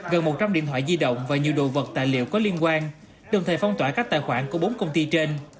gần một trăm linh điện thoại di động và nhiều đồ vật tài liệu có liên quan đồng thời phong tỏa các tài khoản của bốn công ty trên